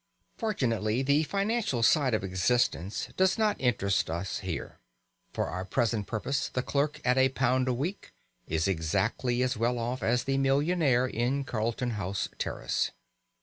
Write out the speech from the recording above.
Fortunately the financial side of existence does not interest us here; for our present purpose the clerk at a pound a week is exactly as well off as the millionaire in Carlton House terrace.